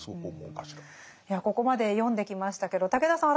いやここまで読んできましたけど武田さん